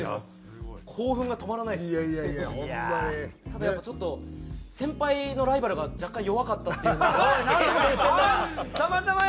ただやっぱちょっと先輩のライバルが若干弱かったっていう。おい！なんて事言ってんだ！